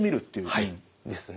はいですね。